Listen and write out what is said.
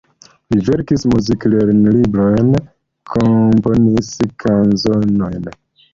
Li verkis muzik-lernolibrojn, komponis kanzonojn.